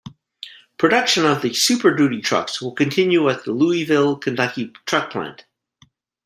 Production of the Super Duty trucks will continue at the Louisville, Kentucky truck plant.